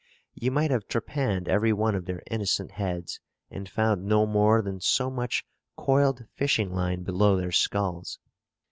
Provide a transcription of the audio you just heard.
You might have trepanned every one of their innocent heads, and found no more than so much coiled fishing line below their skulls.